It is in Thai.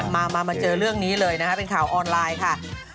มามาเจอเรื่องนี้เลยนะคะเป็นข่าวออนไลน์ค่ะ